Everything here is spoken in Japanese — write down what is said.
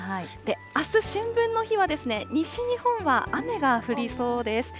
あす、春分の日は西日本は雨が降りそうです。